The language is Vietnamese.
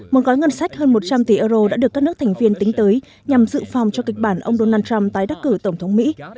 một gói ngân sách hơn một trăm linh tỷ euro đã được các nước thành viên tính tới nhằm dự phòng cho kịch bản ông donald trump tái đắc cử tổng thống mỹ